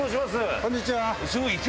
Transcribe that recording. こんにちは。